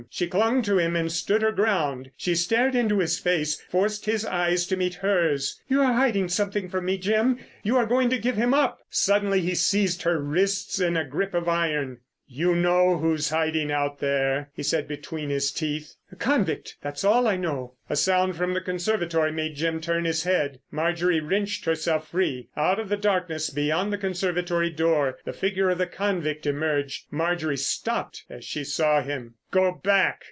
She clung to him and stood her ground. She stared into his face, forced his eyes to meet hers. "You are hiding something from me, Jim.... You are going to give him up——" Suddenly he seized her wrists in a grip of iron. "You know who's hiding out there," he said between his teeth. "A convict—that's all I know——" A sound from the conservatory made Jim turn his head. Marjorie wrenched herself free. Out of the darkness beyond the conservatory door the figure of the convict emerged. Marjorie stopped as she saw him. "Go back!"